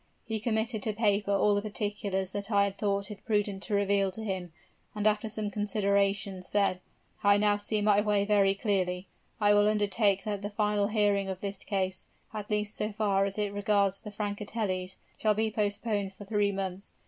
He committed to paper all the particulars that I had thought it prudent to reveal to him, and after some consideration, said, 'I now see my way clearly. I will undertake that the final hearing of this case, at least so far as it regards the Francatellis, shall be postponed for three months.